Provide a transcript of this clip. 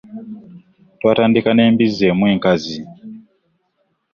Twatandika n'embizzi emu enkazi.